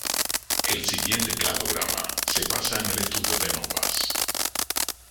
El siguiente cladograma se basa en el estudio de Novas "et al.